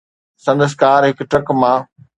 سندس ڪار هڪ ٽرڪ مان